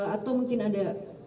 atau mungkin ada